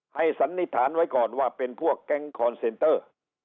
สันนิษฐานไว้ก่อนว่าเป็นพวกแก๊งคอนเซนเตอร์